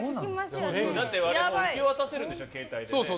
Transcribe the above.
だって受け渡せるんでしょ、携帯で。